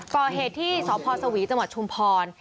ก็เหตุที่สพสวีจชุมพร